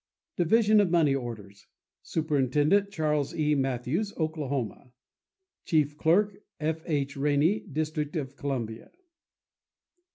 Division of Money Orders.— Superintendent.—Charles E. Matthews, Oklahoma. Chief Clerk.—F. H. Rainey, District of Columbia.